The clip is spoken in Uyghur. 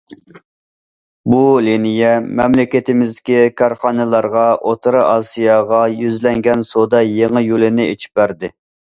بۇ لىنىيە مەملىكىتىمىزدىكى كارخانىلارغا ئوتتۇرا ئاسىياغا يۈزلەنگەن سودا يېڭى يولىنى ئېچىپ بەردى.